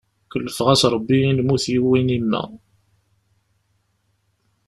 Kulfeɣ-as Rebbi i lmut yuwin yemma.